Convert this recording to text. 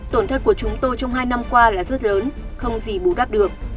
tổn thất của chúng tôi trong hai năm qua là rất lớn không gì bù đắp được